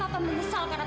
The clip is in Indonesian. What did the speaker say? ya kan sebenarnya